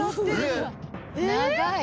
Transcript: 「長い！」